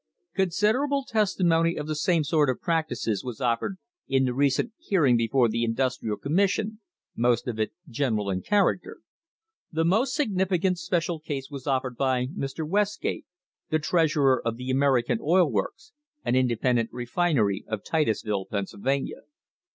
Considerable testimony of the same sort of practices was offered in the recent "hearing before the Industrial Commis sion," most of it general in character. The most significant special case was offered by Mr. Westgate, the treasurer of the American Oil Works, an independent refinery of Titus ville, Pennsylvania.